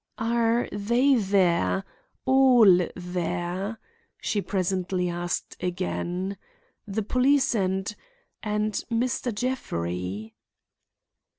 "Are they there? all there?" she presently asked again. "The police and—and Mr. Jeffrey?"